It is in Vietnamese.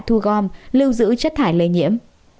thu gom lưu giữ chất thải lây nhiễm